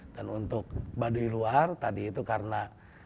dan untuk baduy luar tadi itu karena